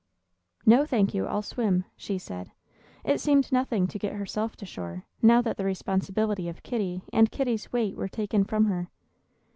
"No, thank you; I'll swim!" she said. It seemed nothing to get herself to shore, now that the responsibility of Kitty and Kitty's weight were taken from her.